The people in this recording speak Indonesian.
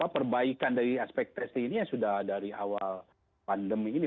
perbaikan dari aspek tiga t ini yang sudah dari awal pandemi ini